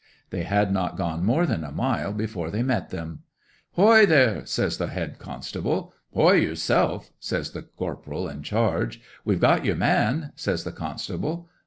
They had not gone more than a mile before they met them. '"Hoi, there!" says the head constable. '"Hoi, yerself!" says the corporal in charge. '"We've got your man," says the constable.